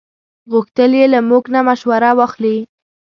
غوښتل یې له موږ نه مشوره واخلي.